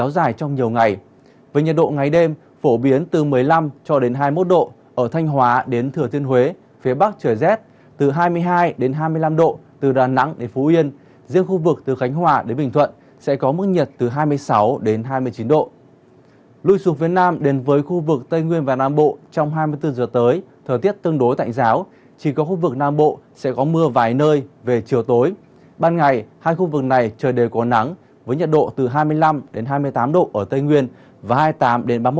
ban ngày hai khu vực này trời đều có nắng với nhiệt độ từ hai mươi năm hai mươi tám độ ở tây nguyên và hai mươi tám ba mươi một độ ở nam bộ